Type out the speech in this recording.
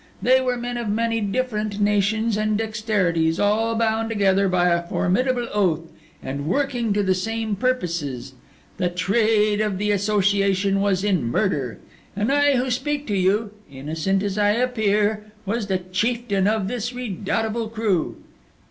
They were men of many different nations and dexterities, all bound together by a formidable oath, and working to the same purposes; the trade of the association was in murder; and I who speak to you, innocent as I appear, was the chieftain of this redoubtable crew."